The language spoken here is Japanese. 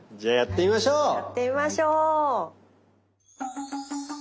はいやってみましょう。